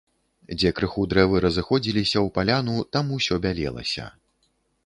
Дзе крыху дрэвы разыходзіліся ў паляну, там усё бялелася.